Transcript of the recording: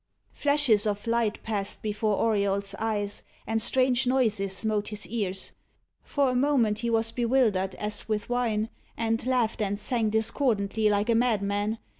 Flashes of light passed before Auriol's eyes, and strange noises smote his ears. For a moment he was bewildered as with wine, and laughed and sang discordantly like a madman.